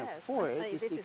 apakah mereka bisa mencoba